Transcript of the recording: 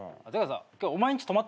今日お前んち泊まってもいい？